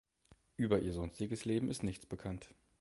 Über ihr sonstiges Leben ist nichts bekannt.